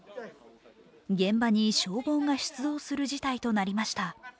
現場に消防が出動する事態となりました。